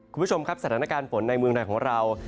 คุณผู้ชมครับสถานการณ์ฝนในเมืองในของเรา